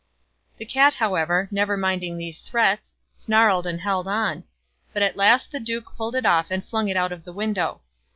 The cat, however, never minding these threats, snarled and held on; but at last the duke pulled it off and flung it out of the window.